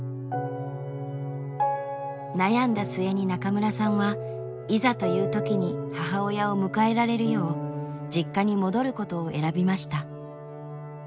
悩んだ末に中村さんはいざという時に母親を迎えられるよう実家に戻ることを選びました。